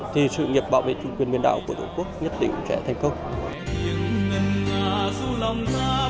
thì sự nghiệp bảo vệ chủ quyền biển đảo của tổ quốc nhất định sẽ thành công